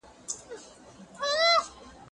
زه اوس سبا ته پلان جوړوم؟